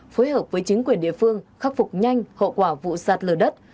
phối hợp với chính quyền địa phương khắc phục nhanh hậu quả vụ sạt lở đất